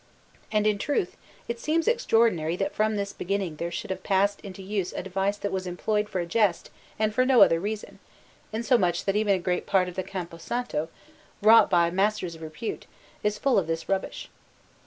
And in truth it seems extraordinary that from this beginning there should have passed into use a device that was employed for a jest and for no other reason, insomuch that even a great part of the Campo Santo, wrought by masters of repute, is full of this rubbish.